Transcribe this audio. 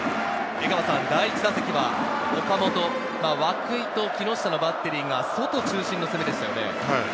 江川さん、第１打席は岡本、涌井と木下のバッテリーが外中心の攻めでしたよね。